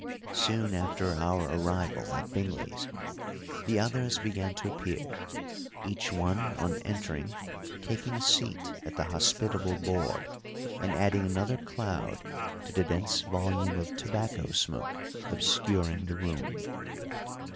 Soon after our arrival at Bingley's the others began to appear, each one on entering taking a seat at the hospitable board, and adding another cloud to the dense volume of tobacco smoke obscuring the room.